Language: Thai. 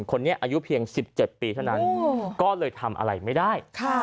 คนนี้อายุเพียงสิบเจ็ดปีเท่านั้นก็เลยทำอะไรไม่ได้ค่ะ